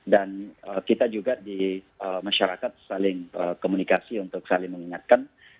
dan kita juga di masyarakat saling komunikasi untuk saling mengingatkan